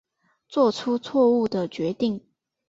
做出错误的决定